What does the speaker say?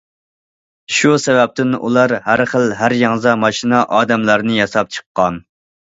شۇ سەۋەبتىن ئۇلار ھەر خىل ھەر ياڭزا ماشىنا ئادەملەرنى ياساپ چىققان.